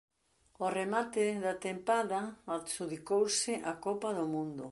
Ó remate da tempada adxudicouse a Copa do Mundo.